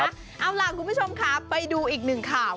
เอาล่ะคุณผู้ชมค่ะไปดูอีกหนึ่งข่าว